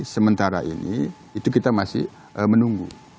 sementara ini itu kita masih menunggu